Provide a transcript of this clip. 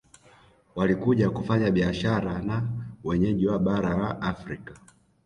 Walikuja kufanya biashara na wenyeji wa bara la Afrika